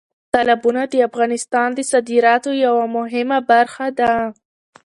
تالابونه د افغانستان د صادراتو یوه مهمه برخه ده.